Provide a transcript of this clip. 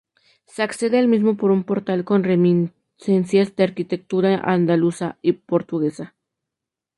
Se accede al mismo por un portal con reminiscencias de arquitectura andaluza y portuguesa.